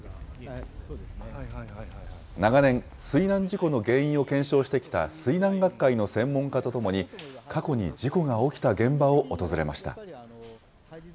長年、水難事故の原因を検証してきた水難学会の専門家と共に、過去に事故が起きた現場を訪れました。